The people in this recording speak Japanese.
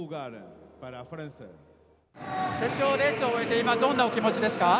決勝レースを終えて今どんなお気持ちですか？